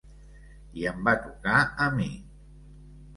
I em va tocar a mi.